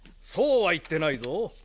そうは言ってないぞ。